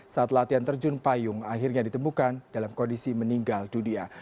saat latihan terjun payung akhirnya ditemukan dalam kondisi meninggal dunia